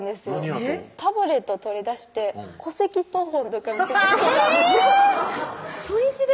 あとタブレットを取り出して戸籍謄本とか見せてくれたんです初日で？